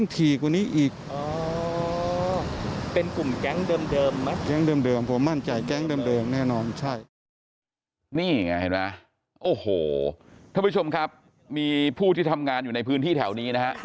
ท่านผู้ชมครับมีผู้ที่ทำงานอยู่ในพื้นที่แถวนี้